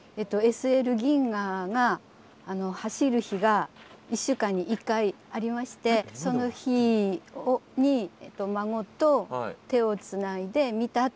ＳＬ銀河が走る日が１週間に１回ありましてその日に孫と手をつないで見たっていう句です。